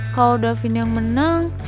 kalo david yang menang